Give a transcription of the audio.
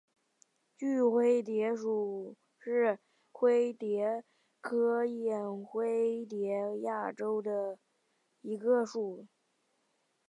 锯灰蝶属是灰蝶科眼灰蝶亚科中的一个属。